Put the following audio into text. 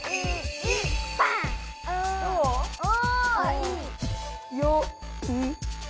お！